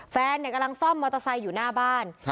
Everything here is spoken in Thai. แฟนกำลังซ่อมมอเตอร์ไซค์อยู่หน้าบ้าน